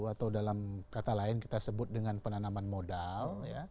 atau dalam kata lain kita sebut dengan penanaman modal